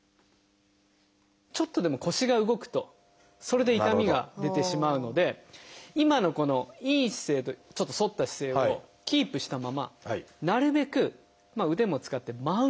ちょっとでも腰が動くとそれで痛みが出てしまうので今のこのいい姿勢とちょっと反った姿勢をキープしたままなるべく腕も使って真上に立ち上がります。